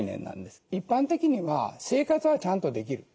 一般的には生活はちゃんとできる。